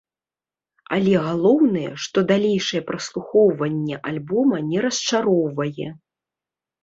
Але галоўнае, што далейшае праслухоўванне альбома не расчароўвае.